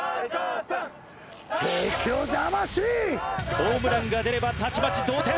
ホームランが出ればたちまち同点。